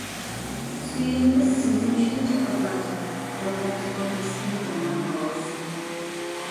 سۆيۈنىمىز سىزدىن شۇنچە ئابلاجان، بولدىڭىزغۇ مىسكىن دىللار داۋاسى.